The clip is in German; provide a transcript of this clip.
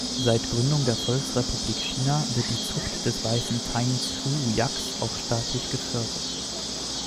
Seit Gründung der Volksrepublik China wird die Zucht des Weißen Tainzhu-Yaks auch staatlich gefördert.